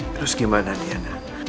terus gimana tiana